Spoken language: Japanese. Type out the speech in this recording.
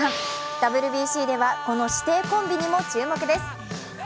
ＷＢＣでは、この師弟コンビにも注目です。